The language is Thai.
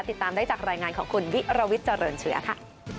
ติดตามได้จากรายงานของคุณวิรวิทย์เจริญเชื้อค่ะ